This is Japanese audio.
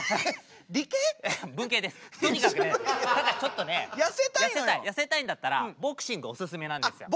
とにかくねたかしちょっとね痩せたいんだったらボクシングお勧めなんですよ。